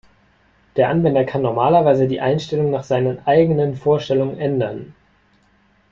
Der Anwender kann normalerweise die Einstellung nach seinen eigenen Vorstellungen ändern.